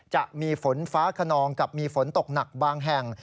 จะมีฝนฟ้าขนองกับมีฝนตกหนักบางแห่ง